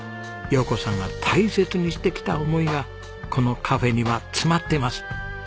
洋子さんが大切にしてきた思いがこのカフェには詰まってます。